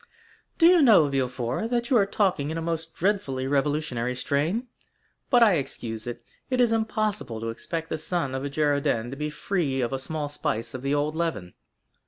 "Do you know, Villefort, that you are talking in a most dreadfully revolutionary strain? But I excuse it, it is impossible to expect the son of a Girondin to be free from a small spice of the old leaven."